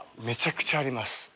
めちゃくちゃあります。